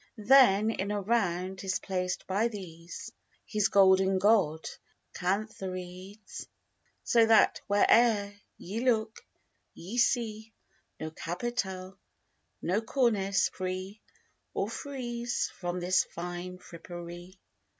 Then in a round, is placed by these His golden god, Cantharides. So that where'er ye look, ye see No capital, no cornice free, Or frieze, from this fine frippery.